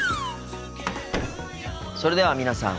それでは皆さん